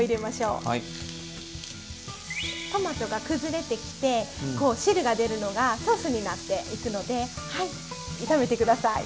トマトが崩れてきてこう汁が出るのがソースになっていくので炒めて下さい。